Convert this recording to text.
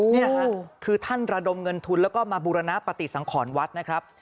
นี่ค่ะคือท่านระดมเงินทุนแล้วก็มาบูรณปฏิสังขรวัดนะครับ